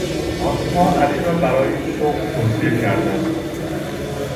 آنها علی را برای این شغل توصیه کردهاند.